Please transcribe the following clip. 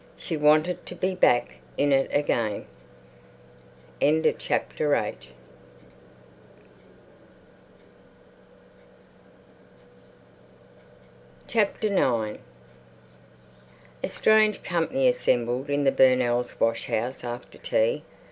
She wanted to be back in it again. IX A strange company assembled in the Burnells' washhouse after tea.